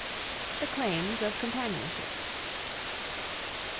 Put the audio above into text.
The Claims of Companionship.